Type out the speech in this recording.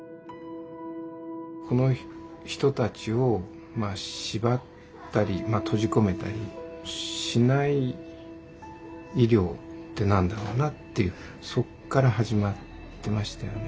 この人たちを縛ったり閉じこめたりしない医療って何だろうなっていうそっから始まってましたよね。